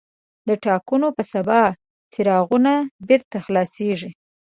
د ټاکنو په سبا څراغونه بېرته خلاصېږي.